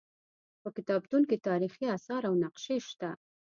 په کتابتون کې تاریخي اثار او نقشې شته.